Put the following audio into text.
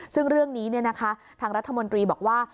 ซึ่งเรื่องนี้เนี่ยนะคะทางรัฐมนตรีบอกว่า